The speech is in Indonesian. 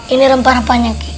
ini rempah rempahnya ki